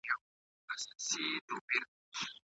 دویم ډول شکر د انسولین غبرګون کمزوری کوي.